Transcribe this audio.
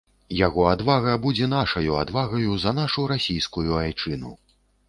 Яго адвага будзе нашаю адвагаю за нашу расійскую айчыну.